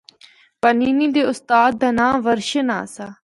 پانینی دے استاد دا ناں ورشن آسا۔